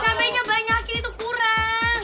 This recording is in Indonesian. cabainya banyak ini tuh kurang